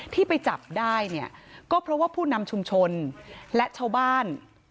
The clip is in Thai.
ที่ไปจับได้เนี่ยก็เพราะว่าผู้นำชุมชนและชาวบ้าน